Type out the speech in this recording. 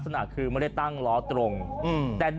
สวัสดีครับ